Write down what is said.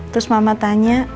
terus mama tanya